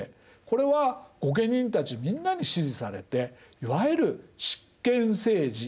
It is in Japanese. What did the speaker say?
これは御家人たちみんなに支持されていわゆる執権政治が確立しました。